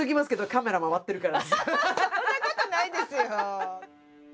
そんなことないですよ。